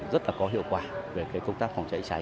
rất là có hiệu quả về công tác phòng cháy cháy